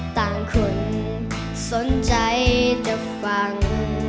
ต่างคนสนใจจะฟัง